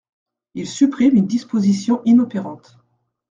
Il supprime une disposition inopérante.